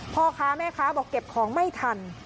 พ่อค้าแม่ค้าบอกเก็บของไม่ทัน